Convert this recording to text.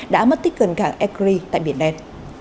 đã mất tích gần cảng ekri tại biển đen